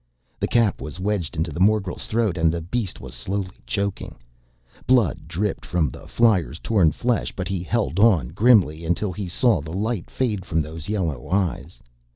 The cap was wedged into the morgel's throat and the beast was slowly choking. Blood dripped from the flyer's torn flesh, but he held on grimly until he saw the light fade from those yellow eyes.